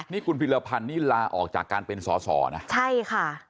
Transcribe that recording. นี่คุณพิรพันธ์นี่ลาออกจากการเป็นสอสอนะใช่ค่ะ